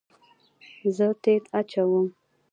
زه تیل اچوم